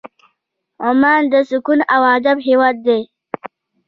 عمان د سکون او ادب هېواد دی.